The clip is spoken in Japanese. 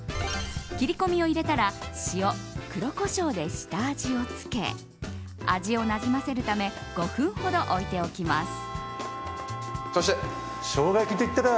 切り込みを入れたら塩、黒コショウで下味をつけ味をなじませるため５分ほど置いておきます。